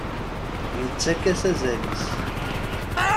Yettak-as azal-is.